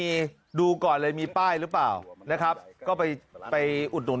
อี